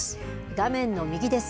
画面の右です。